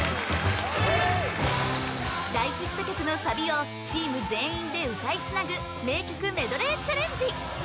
大ヒット曲のサビをチーム全員で歌いつなぐ名曲メドレーチャレンジ